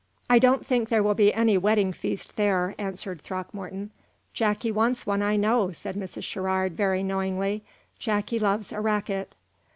"I don't think there will be any wedding feast there," answered Throckmorton. "Jacky wants one, I know," said Mrs. Sherrard, very knowingly. "Jacky loves a racket."